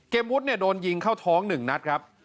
วุฒิเนี่ยโดนยิงเข้าท้อง๑นัดครับ